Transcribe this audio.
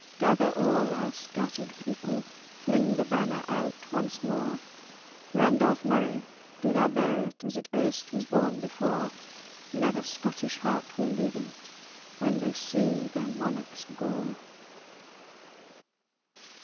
Gather all our scattered people, Fling the banner out once more— Randolph Murray! do thou bear it, As it erst was borne before: Never Scottish heart will leave it, When they see their monarch's gore!"